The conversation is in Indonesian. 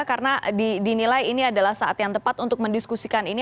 karena dinilai ini adalah saat yang tepat untuk mendiskusikan ini